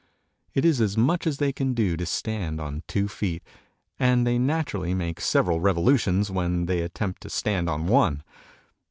It is as much as they can do to stand on two feet, and they naturally make several revolutions when they attempt to stand on one.